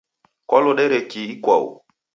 Kwalodere kii ikwau?